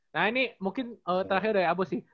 nah ini mungkin terakhir dari abo sih